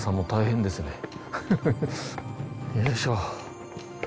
大変ですね